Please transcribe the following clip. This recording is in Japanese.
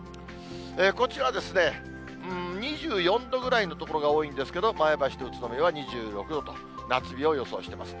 こちらは２４度ぐらいの所が多いんですけれども、前橋と宇都宮は２６度と、夏日を予想してます。